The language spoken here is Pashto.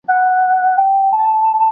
سعید په خپل ماشوم ذهن کې یو نوی فکر درلود.